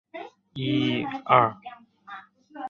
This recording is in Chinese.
绘画师事狩野派的山本素轩。